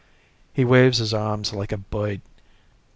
He waves his arms like a bird.